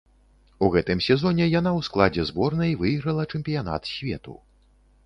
У гэтым сезоне яна ў складзе зборнай выйграла чэмпіянат свету.